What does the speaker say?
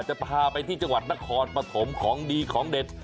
จะพาไปที่จังหวัดนครปฐมของดีของเด็ด